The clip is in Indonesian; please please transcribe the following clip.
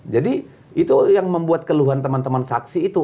jadi itu yang membuat keluhan teman teman saksi itu